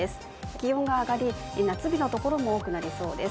気温が上がり夏日のところも多くなりそうです。